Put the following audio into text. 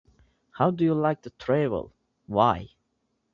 How do you like to travel? Why?